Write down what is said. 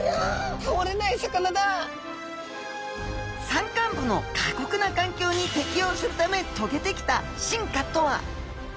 山間部の過酷な環境に適応するためとげてきた進化とは？